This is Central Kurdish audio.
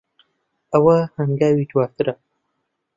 ئەوە ھەنگاوی دواترە.